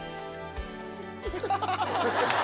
ハハハハ！